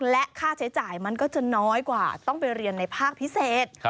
และค่าใช้จ่ายมันก็จะน้อยกว่าต้องไปเรียนในภาคพิเศษ